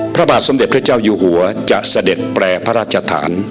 พระบาทสมเด็จพระเจ้าอยู่หัวจะเสด็จแปรพระราชฐาน